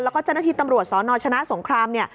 แล้วก็เจ้าหน้าที่ตำรวจสนชนะสงครามเนี่ย